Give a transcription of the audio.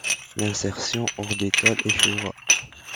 L'insertion orbitale échouera.